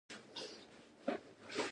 ښامار لکه غونډی غونډی کېږي راغی.